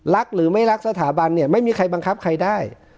หรือไม่รักสถาบันเนี่ยไม่มีใครบังคับใครได้